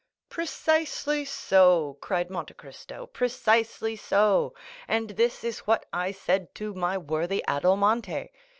"Precisely so," cried Monte Cristo—"precisely so; and this is what I said to my worthy Adelmonte.